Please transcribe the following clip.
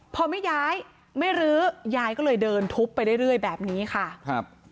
พอไม่ย้ายไม่รื้อยายก็เลยเดินทุบไปเรื่อยแบบนี้ค่ะครับ